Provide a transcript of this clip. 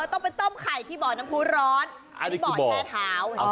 เราต้องไปต้มไข่ที่บ่อน้ำภูร้อนอันนี้คือบ่อนแช่เท้าอ๋อ